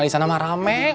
di sana marah mek